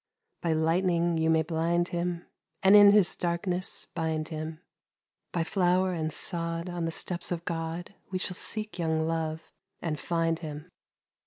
By lightning you may blind him, And in his darkness bind him, By flower and sod, on the steps of God, We shall seek young Love and find him.